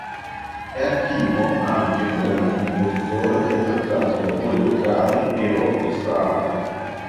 È attivo anche come compositore di apprezzati lavori vocali e orchestrali.